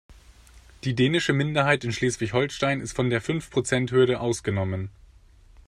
Die dänische Minderheit in Schleswig-Holstein ist von der Fünfprozenthürde ausgenommen.